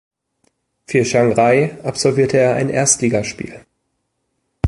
Für Chiangrai absolvierte er ein Erstligaspiel.